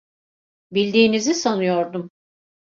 Bildiğinizi sanıyordum.